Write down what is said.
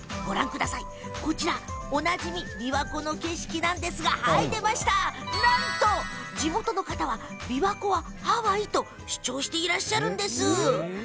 こちら、おなじみの琵琶湖の景色なんですがなんと地元の方は琵琶湖はハワイと主張していらっしゃるんです。